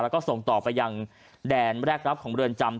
แล้วก็ส่งต่อไปยังแดนแรกรับของเรือนจำ